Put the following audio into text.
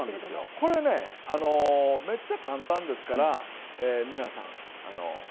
これねめっちゃ簡単ですから皆さんこうしてね